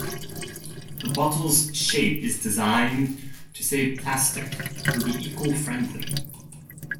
The bottles shape is designed to save plastic and be eco-friendly.